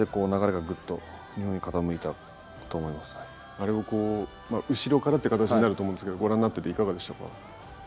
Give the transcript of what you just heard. あれはこう後ろからっていう形になると思うんですけどご覧になってていかがでしたか？